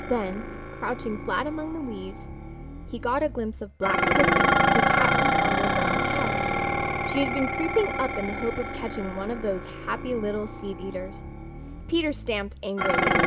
Then, crouching flat among the weeds, he got a glimpse of Black Pussy, the cat from Farmer Brown's house. She had been creeping up in the hope of catching one of those happy little seedeaters. Peter stamped angrily.